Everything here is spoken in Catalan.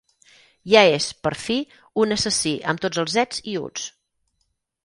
Ja és, per fi, un assassí amb tots els ets i uts.